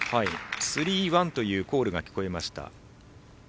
スリーワンというコールが聞こえました。